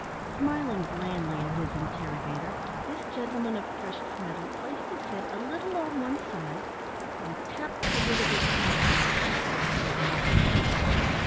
Smiling blandly at his interrogator, this gentleman of precious metal placed his head a little on one side, and tapped the lid of his snuff box, but said nothing.